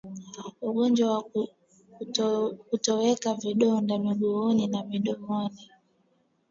Ugonjwa wa kutokewa vidonda miguuni na mdomoni